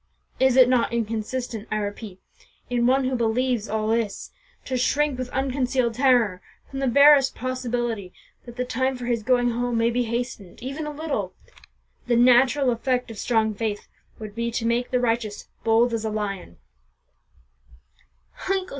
Is it not inconsistent, I repeat, in one who believes all this, to shrink with unconcealed terror from the barest possibility that the time for his going home may be hastened, even a little? The natural effect of strong faith would be to make the righteous 'bold as a lion.'"